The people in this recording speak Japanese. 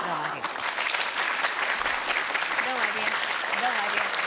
どうもありがとう。